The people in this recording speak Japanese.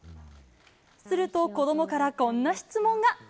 すると子どもからこんな質問が。